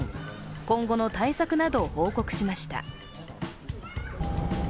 今後の対策などを報告しました。